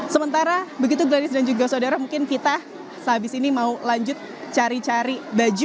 sementara begitu gladis dan juga saudara mungkin kita sehabis ini mau lanjut cari cari baju